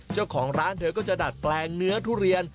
เจ้าของร้านเธอก็จะดัดแปลงเนื้อทุเรียน